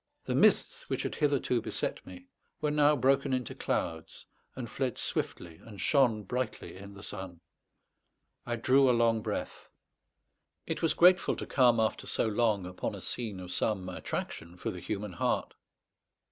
The mists, which had hitherto beset me, were now broken into clouds, and fled swiftly and shone brightly in the sun. I drew a long breath. It was grateful to come, after so long, upon a scene of some attraction for the human heart.